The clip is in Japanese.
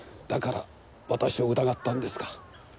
だから私を疑ったんですか？